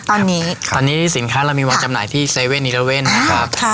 ตอนนี้ตอนนี้สินค้าเรามีวางจำหน่ายที่๗๑๑นะครับ